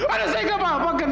anak saya gak apa apakan dokter